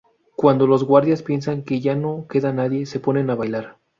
Cuando los guardias piensan que ya no queda nadie, se ponen a bailar.